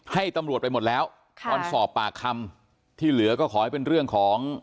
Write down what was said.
ให้ตำรวจไปหมดแล้วตอนสอบปากคำที่เหลือก็ขอให้เป็นเรื่องของ